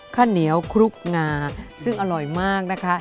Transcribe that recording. ข้าวเหนียวคลุกงาซึ่งอร่อยมากนะคะ